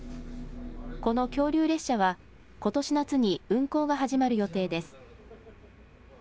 この恐竜列車はことし夏に運行が始まる予定です。